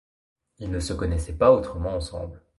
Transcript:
Ils ne se connaissaient pas autrement ensemble.